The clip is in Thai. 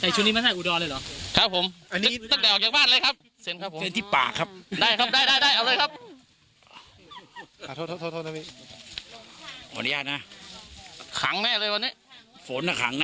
ใส่ชุดนี้มาให้อุดอนเลยเหรอครับผมอันนี้จากปากจากเมืองแบบเหล้อครับ